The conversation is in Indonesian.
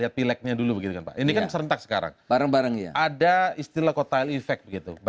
itu yang paling harus